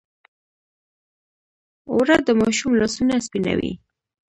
اوړه د ماشوم لاسونه سپینوي